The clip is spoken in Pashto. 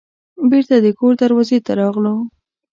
بیرته د کور دروازې ته راغلو.